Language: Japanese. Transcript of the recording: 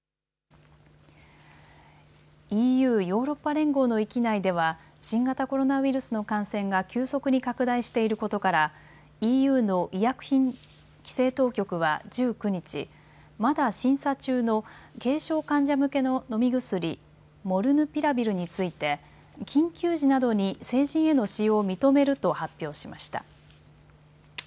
ＥＵ・ヨーロッパ連合の域内では新型コロナウイルスの感染が急速に拡大していることからＥＵの医薬品規制当局は１９日、まだ審査中の軽症患者向けの飲み薬、モルヌピラビルについて緊急時などに成人への使用を認めると発表しました。